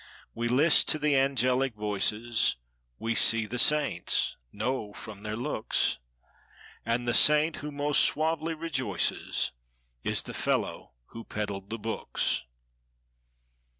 We list to the angelic voices; We see the saints (know from their looks). And the saint who most sauvely rejoices Is the fellow who peddled the books.